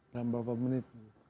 dalam beberapa menit